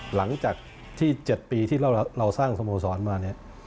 หลังจากที่๗ปีที่เราสร้างสโมสรมาเนี่ย